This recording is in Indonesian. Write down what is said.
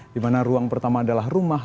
dimana ruang pertama adalah rumah